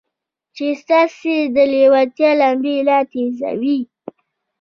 چې ستاسې د لېوالتیا لمبې لا تېزوي.